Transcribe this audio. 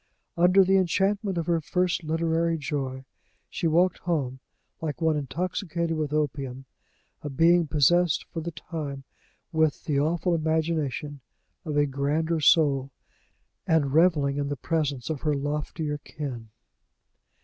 Under the enchantment of her first literary joy, she walked home like one intoxicated with opium a being possessed for the time with the awful imagination of a grander soul, and reveling in the presence of her loftier kin.